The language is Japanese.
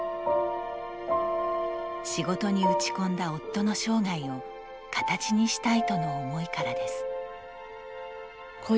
仕事に打ち込んだ夫の生涯を形にしたいとの思いからです。